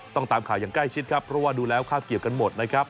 ตามข่าวอย่างใกล้ชิดครับเพราะว่าดูแล้วคาบเกี่ยวกันหมดนะครับ